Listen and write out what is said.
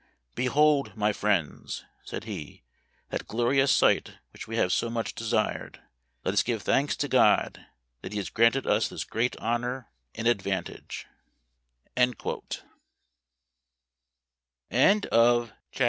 ' Behold, my friends/ said he, ' that glorious sight which we have so much desired. Let us give thanks to God that he has granted us this great honor and ad van Memoir of Washington Irving.